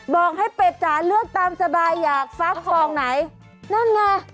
บอกให้เป็ดจ๋าเลือกตามสบายอยากฟักฟองไหนนั่นไง